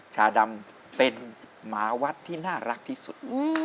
ชาดำเป็นหมาวัดที่น่ารักที่สุด